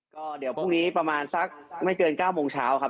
ก็เดี๋ยวพรุ่งนี้ประมาณสักไม่เกิน๙โมงเช้าครับ